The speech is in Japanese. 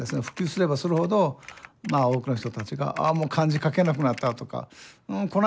普及すればするほどまあ多くの人たちがああもう漢字書けなくなったとかうん